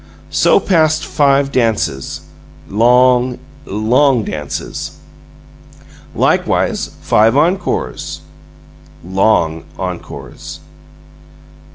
So passed five dances. Long, long dances. Likewise five encores. Long encores.